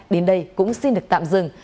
đến đây cũng xin được tạm dừng